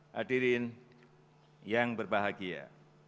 hadirin yang berbahagia